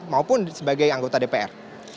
maupun sebagai anggota dpr